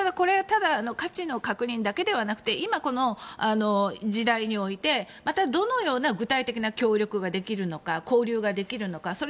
ただ価値の確認だけではなくて今の時代においてどのような具体的な協力ができるのか交流ができるのか。